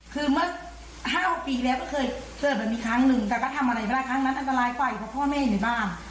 คือเมื่อ๕๖ปีแล้วก็เคยแบบนี้ครั้งหนึ่งแต่ก็ทำอะไรไม่ได้ครั้งนั้นอันตรายกว่าอยู่เพราะพ่อแม่อยู่ในบ้าน